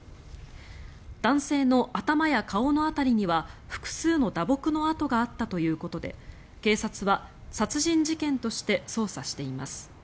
男性の頭や顔の辺りには複数の打撲の痕があったということで警察は殺人事件として捜査しています。